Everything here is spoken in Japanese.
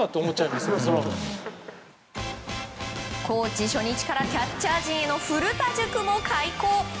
コーチ初日からキャッチャー陣内への古田塾も開校。